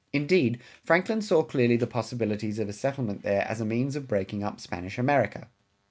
Indeed, Franklin saw clearly the possibilities of a settlement there as a means of breaking up Spanish America.